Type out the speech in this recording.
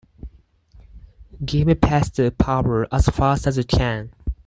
Gimme Pasta power as fast as you can!